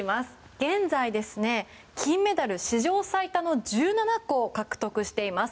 現在、金メダルは史上最多の１７個獲得しています。